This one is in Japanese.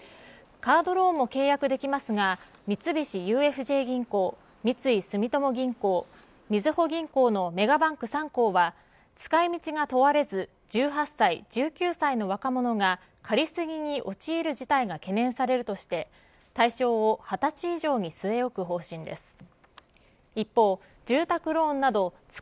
カードローンを契約できますが三菱ＵＦＪ銀行、三井住友銀行みずほ銀行のメガバンク３行は使い道が問われず１８歳、１９歳の若者が借り過ぎに陥る事態が懸念されるとして対象を２０歳以上に据え置く方針です。